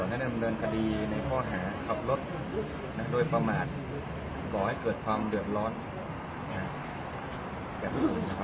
แล้วพระงานรกศภวรก็จะดำเนินคดีมัน